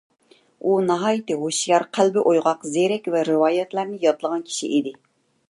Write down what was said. ئۇ ناھايىتى ھوشيار، قەلبى ئويغاق، زېرەك ۋە رىۋايەتلەرنى يادلىغان كىشى ئىدى.